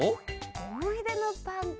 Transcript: おもいでのパンか。